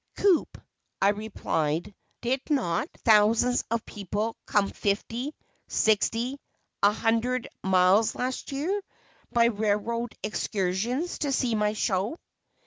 "Coup," I replied, "did not thousands of people come fifty, sixty, a hundred miles last year, by railroad excursions, to see my show?"